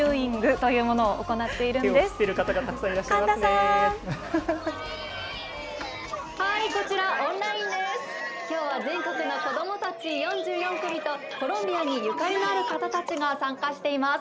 きょうは全国の子どもたち４４組とコロンビアにゆかりのある方たちが参加しています。